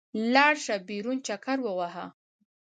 لاړ شه، بېرون چکر ووهه.